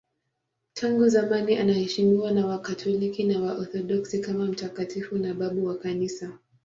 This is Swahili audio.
Tangu zamani anaheshimiwa na Wakatoliki na Waorthodoksi kama mtakatifu na babu wa Kanisa.